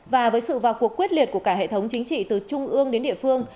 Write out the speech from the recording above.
và với sự vào cuộc quyết liệt của cả hệ thống chính trị từ trung ương đến địa phương